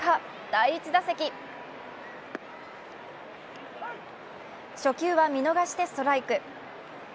第１打席初球は見逃してストライク。